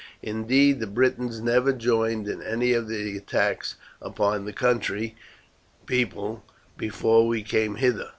Indeed the Britons never joined in any of the attacks upon the country people before we came hither.